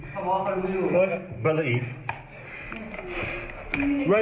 คุณรู้คุณรู้ผมก็รู้